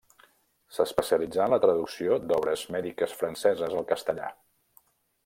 S'especialitzà en la traducció d'obres mèdiques franceses al castellà.